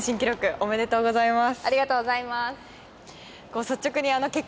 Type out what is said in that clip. ありがとうございます。